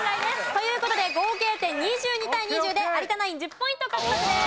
という事で合計点２２対２０で有田ナイン１０ポイント獲得です。